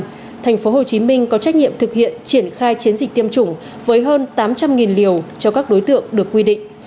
còn thành phố hồ chí minh có trách nhiệm thực hiện triển khai chiến dịch tiêm chủng với hơn tám trăm linh liều cho các đối tượng được quy định